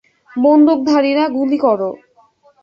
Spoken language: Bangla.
বন্দুকধারীরা, গুলি করো!